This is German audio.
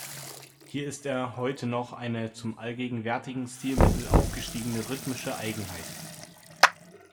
Hier ist er heute noch eine zum allgegenwärtigen Stilmittel aufgestiegene rhythmische Eigenheit.